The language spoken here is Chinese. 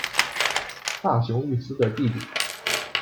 大熊裕司的弟弟。